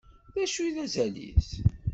D acu i d azal-is?